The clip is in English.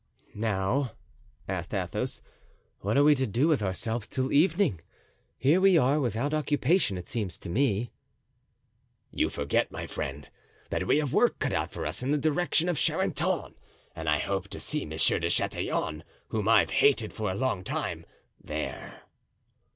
"Now," asked Athos, "what are we to do with ourselves till evening? Here we are without occupation, it seems to me." "You forget, my friend, that we have work cut out for us in the direction of Charenton; I hope to see Monsieur de Chatillon, whom I've hated for a long time, there."